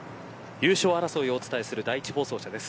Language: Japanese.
優勝争いをお伝えする第１放送車です。